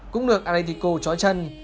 cũng được atletico trói chân